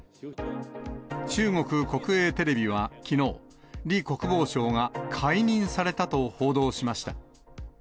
中国国営テレビはきのう、李国防相が解任されたと報道しました。